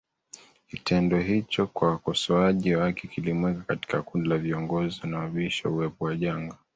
Kitendo hicho kwa wakosoaji wake kilimweka katika kundi la viongozi wanaobisha uwepo wa janga